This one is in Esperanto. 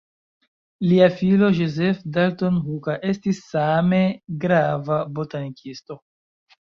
Lia filo Joseph Dalton Hooker estis same grava botanikisto.